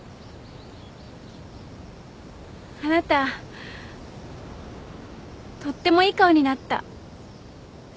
あなたとってもいい顔になった。